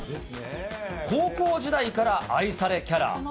高校時代から愛されキャラ。